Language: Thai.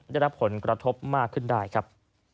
ได้รับผลกระทบมากขึ้นได้ครับ